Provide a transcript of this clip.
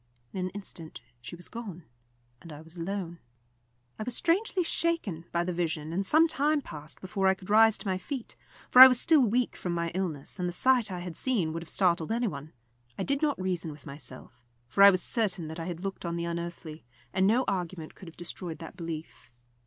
In an instant she was gone, and I was alone. I was strangely shaken by the vision, and some time passed before I could rise to my feet, for I was still weak from my illness, and the sight I had seen would have startled any one. I did not reason with myself, for I was certain that I had looked on the unearthly, and no argument could have destroyed that belief.